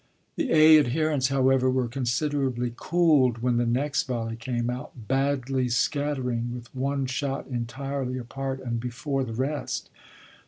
The "A" adherents, however, were considerably cooled when the next volley came out, badly scattering, with one shot entirely apart and before the rest.